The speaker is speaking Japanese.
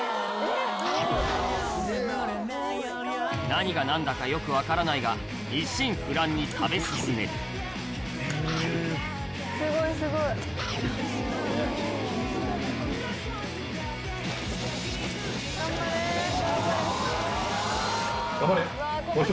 何が何だかよく分からないが一心不乱に食べ進めるがんばれ！